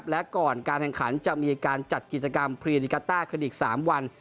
และก่อนการแข่งขันจะมีการจัดกิจกรรมพรีดิกาต้าขึ้นอีก๓วัน